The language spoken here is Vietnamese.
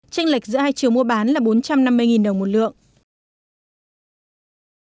tranh lệch giữa hai chiều mua bán là bốn trăm năm mươi đồng một lượng